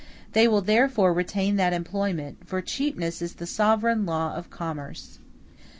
They will therefore retain that employment, for cheapness is the sovereign law of commerce.